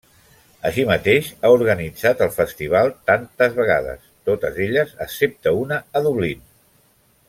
Així mateix, ha organitzat el Festival tantes vegades; totes elles, excepte una, a Dublín.